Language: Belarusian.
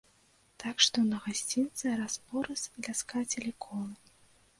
Так што на гасцінцы раз-пораз ляскацелі колы.